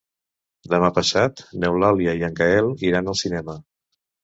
Demà passat n'Eulàlia i en Gaël iran al cinema.